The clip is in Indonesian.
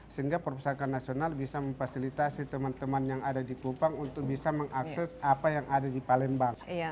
sehingga perpustakaan nasional bisa memfasilitasi teman teman yang ada di kupang untuk bisa mengakses apa yang ada di palembang